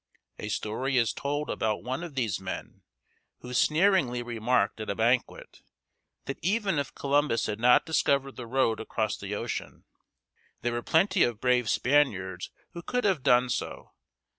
A story is told about one of these men who sneeringly remarked at a banquet that even if Columbus had not discovered the road across the ocean, there were plenty of brave Spaniards who could have done so.